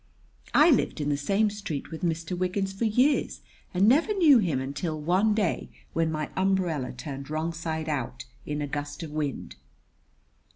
I lived in the same street with Mr. Wiggins for years, and never knew him until one day when my umbrella turned wrong side out in a gust of wind."